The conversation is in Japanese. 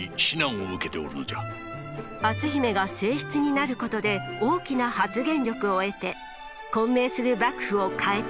篤姫が正室になることで大きな発言力を得て混迷する幕府を変えたい。